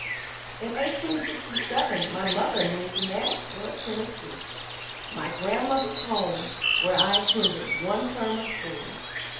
In 1867 my mother moved to Nashville, Tennessee, my grandmother's home, where I attended one term of school.